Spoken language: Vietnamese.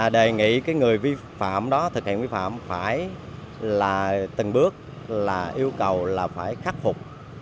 đề nghị cái người vi phạm đó thực hiện vi phạm phải là từng bước là yêu cầu là phải khắc phục